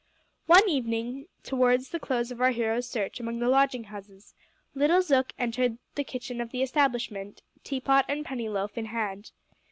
One evening, towards the close of our hero's search among the lodging houses, little Zook entered the kitchen of the establishment, tea pot and penny loaf in hand.